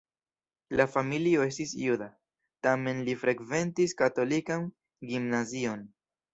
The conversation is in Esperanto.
La familio estis juda, tamen li frekventis katolikan gimnazion.